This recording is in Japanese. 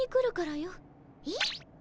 えっ？